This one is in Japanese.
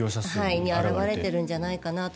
そこに表れているんじゃないかと。